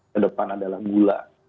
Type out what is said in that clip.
kedepan adalah gula